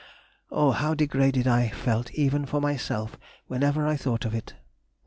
(Oh! how degraded I felt even for myself whenever I thought of it!)